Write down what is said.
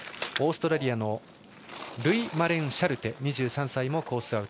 オーストラリアのルイ・マレンシャルテ２３歳もコース